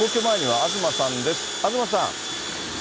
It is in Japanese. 東さん。